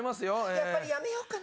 やっぱりやめようかな？